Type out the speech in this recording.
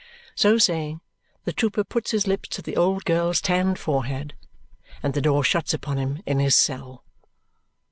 So saying, the trooper puts his lips to the old girl's tanned forehead, and the door shuts upon him in his cell.